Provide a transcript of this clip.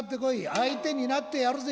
相手になってやるぜ。